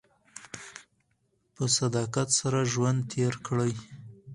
په صداقت سره ژوند تېر کړئ.